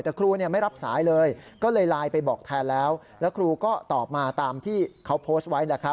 แต่ครูไม่รับสายเลยก็เลยไลน์ไปบอกแทนแล้วแล้วครูก็ตอบมาตามที่เขาโพสต์ไว้